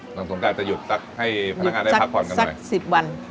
หลังสงการจะหยุดตั๊กให้พนักงานได้พักผ่อนกันไหมหยุดสักสิบวัน